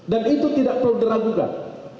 dan itu tidak perlu diragukan